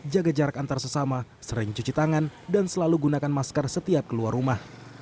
jaga jarak antar sesama sering cuci tangan dan selalu gunakan masker setiap keluar rumah